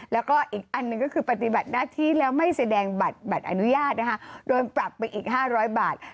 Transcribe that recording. แล้วก็อีกอันหนึ่งก็คือปฏิบัติหน้าที่แล้วไม่แสดงบัตรอนุญาตนะคะโดนปรับไปอีก๕๐๐บาท